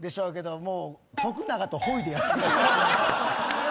もう。